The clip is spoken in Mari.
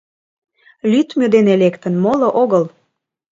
— Лӱдмӧ дене лектын, моло огыл.